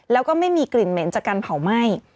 แล้วก็ไม่มีกลิ่นเหม็นจากการเผาไหม้